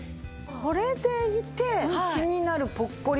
これでいて気になるぽっこり